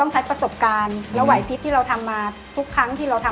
ใช่ค่ะ